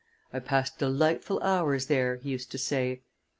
"I passed delightful hours there," he used to say.